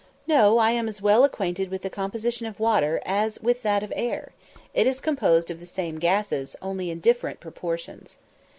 "No, I am as well acquainted with the composition of water as with that of air; it is composed of the same gases, only in different proportions."